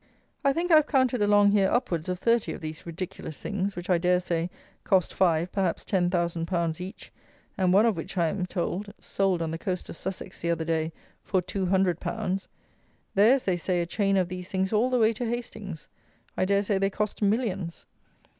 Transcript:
I think I have counted along here upwards of thirty of these ridiculous things, which, I dare say, cost five, perhaps ten, thousand pounds each; and one of which was, I am told, sold on the coast of Sussex the other day for two hundred pounds! There is, they say, a chain of these things all the way to Hastings! I dare say they cost millions.